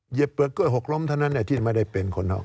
เหยียบเปิดกล้วยหกล้มเท่านั้นเนี่ยที่ไม่ได้เป็นคนนอก